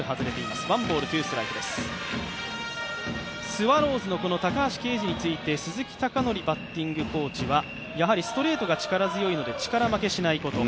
スワローズの高橋奎二について鈴木尚典バッティングコーチはストレートが力強いので力負けしないこと。